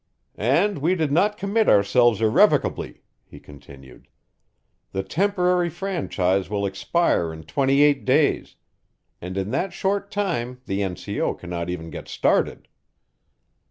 "And we did not commit ourselves irrevocably," he continued. "The temporary franchise will expire in twenty eight days and in that short time the N.C.O. cannot even get started."